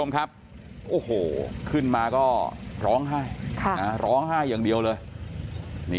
ขึ้นมาก็ร้องไห้ร้องไห้อย่างเดียวเลย